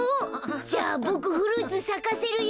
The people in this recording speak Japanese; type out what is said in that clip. じゃあボクフルーツさかせるよ。